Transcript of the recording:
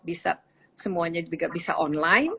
atau semuanya bisa online